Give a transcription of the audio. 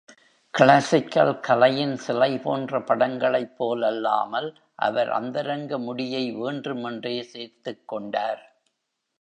Classical கலையின் சிலை போன்ற படங்களைப் போலல்லாமல், அவர் அந்தரங்க முடியை வேண்டுமென்றே சேர்த்துக் கொண்டார்.